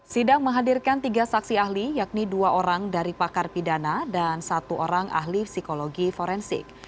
sidang menghadirkan tiga saksi ahli yakni dua orang dari pakar pidana dan satu orang ahli psikologi forensik